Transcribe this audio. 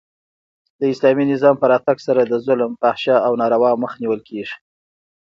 د اسلامي نظام په راتګ سره د ظلم، فحشا او ناروا مخ نیول کیږي.